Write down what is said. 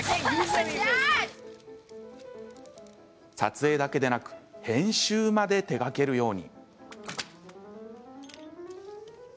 撮影だけでなく編集まで手がけるように。